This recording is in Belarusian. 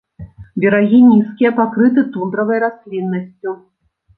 Берагі нізкія, пакрытыя тундравай расліннасцю.